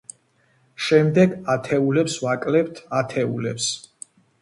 შემდეგ, ათეულებს ვაკლებთ ათეულებს.